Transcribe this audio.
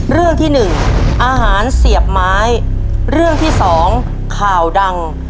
เรื่องที่หนึ่งอาหารเสียบไม้เรื่องที่สองข่าวดัง